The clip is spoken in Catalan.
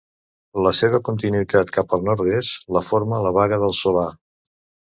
La seva continuïtat cap al nord-est la forma la Baga del Solà.